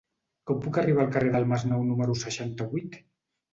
Com puc arribar al carrer del Masnou número seixanta-vuit?